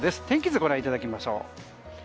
天気図、ご覧いただきましょう。